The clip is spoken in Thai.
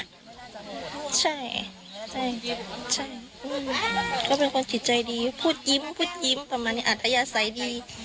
ก็ใช่ก็เป็นคนจิตใจดีพูดยิ้มพูดยิ้มประมาณนี้อัธยาศัยดี